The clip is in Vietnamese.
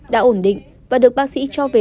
đã ổn định và được bác sĩ cho về